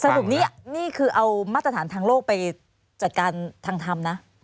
สรุปนี้นี่คือเอามาตรฐานทางโลกไปจัดการทางธรรมนะ